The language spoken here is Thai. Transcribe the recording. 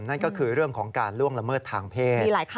นั่นก็คือเรื่องของการล่วงละเมิดทางเพศ